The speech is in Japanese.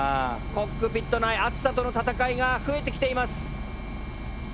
コックピット内暑さとの闘いが増えてきています。